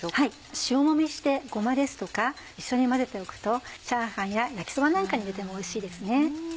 塩もみしてごまとか一緒に混ぜておくとチャーハンや焼きそばなんかに入れてもおいしいですね。